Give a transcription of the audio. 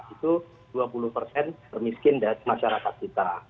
itu dua puluh persen termiskin dari masyarakat kita